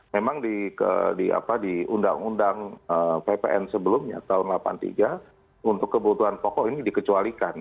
memang di undang undang ppn sebelumnya tahun seribu sembilan ratus delapan puluh tiga untuk kebutuhan pokok ini dikecualikan